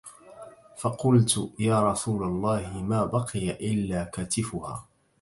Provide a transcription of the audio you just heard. فَقُلْت يَا رَسُولَ اللَّهِ مَا بَقِيَ إلَّا كَتِفُهَا